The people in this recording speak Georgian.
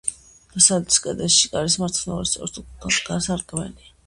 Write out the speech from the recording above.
დასავლეთის კედელში, კარის მარცხნივ, ორი სწორკუთხა სარკმელია.